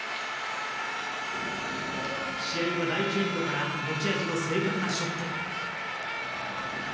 試合は第１エンドから持ち味の正確なショット。